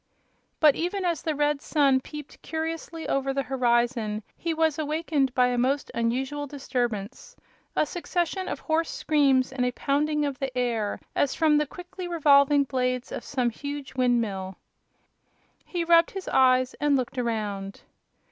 But even as the red sun peeped curiously over the horizon he was awakened by a most unusual disturbance a succession of hoarse screams and a pounding of the air as from the quickly revolving blades of some huge windmill. He rubbed his eyes and looked around.